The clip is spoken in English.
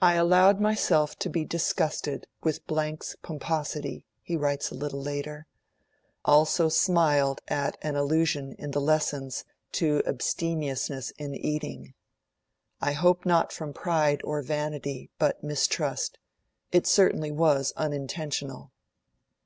'I allowed myself to be disgusted, with 's pomposity,' he writes a little later, 'also smiled at an allusion in the Lessons to abstemiousness in eating. I hope not from pride or vanity, but mistrust; it certainly was unintentional.'